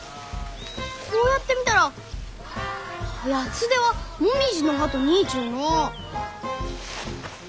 こうやって見たらヤツデはモミジの葉と似ちゅうのう！